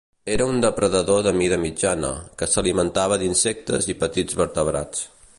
Era un depredador de mida mitjana, que s'alimentava d'insectes i petits vertebrats.